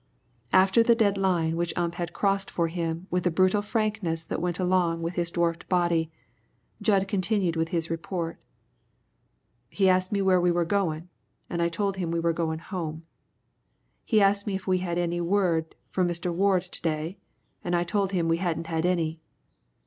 After the dead line which Ump had crossed for him with the brutal frankness that went along with his dwarfed body, Jud continued with his report. "He asked me where we was goin', an' I told him we was goin' home. He asked me if we had had any word from Mr. Ward to day, an' I told him we hadn't had any.